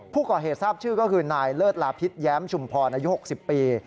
ผู้ก่อเหตุทราบชื่อก็คือนายเลิศลาพิษแย้มชุมพรอายุ๖๐ปี